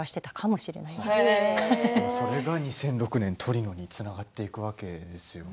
笑い声それが２００６年トリノにつながっていくわけですね。